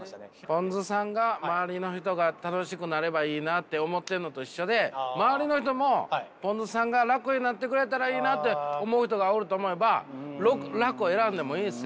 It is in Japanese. ぽんづさんが周りの人が楽しくなればいいなって思ってるのと一緒で周りの人もぽんづさんが楽になってくれたらいいなって思う人がおると思えば楽を選んでもいいんですよ。